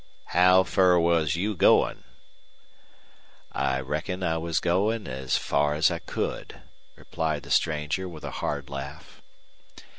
"How fur was you goin'?" "I reckon I was goin' as far as I could," replied the stranger, with a hard laugh.